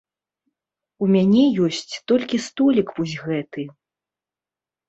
У мяне ёсць толькі столік вось гэты.